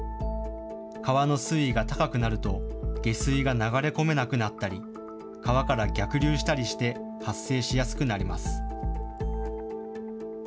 川の水位が高くなると下水が流れ込めなくなったり川から逆流したりして発生しやすくなります。